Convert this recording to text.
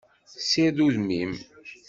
Sired udem-im!